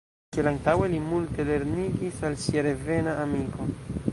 Kiel antaŭe, li multe lernigis al sia revema amiko.